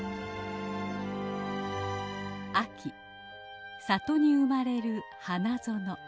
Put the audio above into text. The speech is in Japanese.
秋里に生まれる花園。